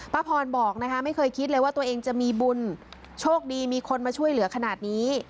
พระพรบอกนะคะไม่เคยคิดเลยว่าตัวเองจะมีบุญโชคดีมีคนมาช่วยเหลือขนาดนี้